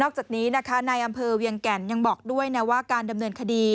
จากนี้นะคะในอำเภอเวียงแก่นยังบอกด้วยนะว่าการดำเนินคดี